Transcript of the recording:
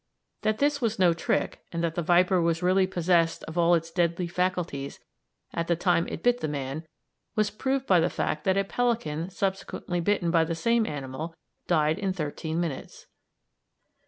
That this was no trick, and that the viper was really possessed of all its deadly faculties at the time it bit the man, was proved by the fact that a pelican subsequently bitten by the same animal died in thirteen minutes.